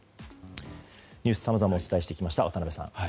ニュース、さまざまお伝えしてきました、渡辺さん。